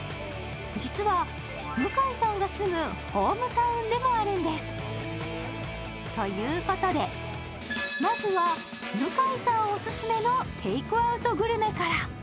実は向井さんが住むホームタウンでもあるんです。ということで、まずは向井さんオススメのテイクアウトグルメから。